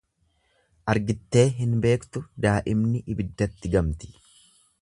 Argittee hin beektu da'imni ibiddatti gamti.